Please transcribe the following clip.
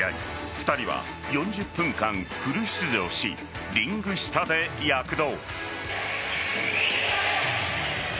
２人は４０分間フル出場しリング下で躍動。